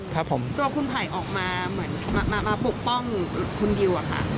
ตัวคุณถ่ายออกมามาปกป้องคุณดิวค่ะ